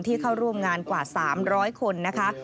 เข้าร่วมงานกว่า๓๐๐คนนะคะ